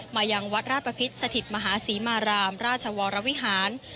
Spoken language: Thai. ยังวัดราชประพิษสถิตมหาศรีมารามราชวรวิหาร